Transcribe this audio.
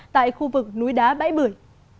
tại khu vực núi đá bãi bửi